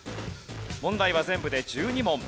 問題は全部で１２問。